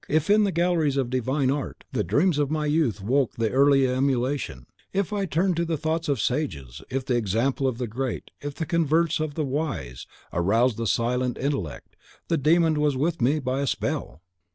If, in the galleries of Divine Art, the dreams of my youth woke the early emulation, if I turned to the thoughts of sages; if the example of the great, if the converse of the wise, aroused the silenced intellect, the demon was with me as by a spell.